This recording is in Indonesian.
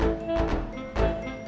kamu mau ke rumah